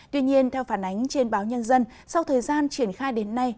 tuy nhiên theo phản ánh trên báo nhân dân sau thời gian triển khai đến nay